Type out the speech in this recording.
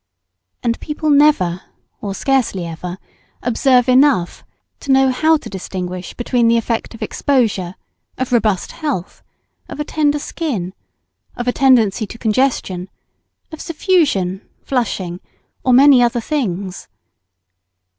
And people never, or scarcely ever, observe enough to know how to distinguish between the effect of exposure, of robust health, of a tender skin, of a tendency to congestion, of suffusion, flushing, or many other things.